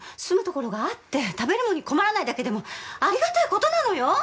住むところがあって食べるのに困らないだけでもありがたいことなのよ。